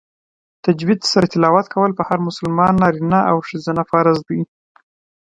تجوید سره تلاوت کول په هر مسلمان نارینه او ښځینه فرض دی